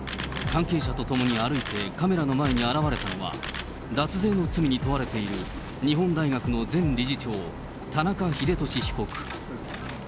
関係者と共に歩いてカメラの前に現れたのは、脱税の罪に問われている、日本大学の前理事長、田中英壽被告。